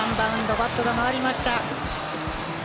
バットが回りました。